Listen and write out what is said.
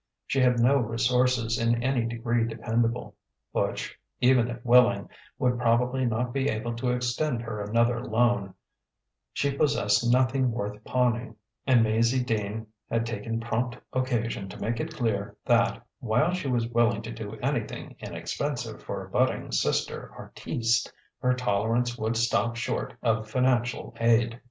She had no resources in any degree dependable: Butch, even if willing, would probably not be able to extend her another loan; she possessed nothing worth pawning; and Maizie Dean had taken prompt occasion to make it clear that, while she was willing to do anything inexpensive for a budding sister artiste, her tolerance would stop short of financial aid.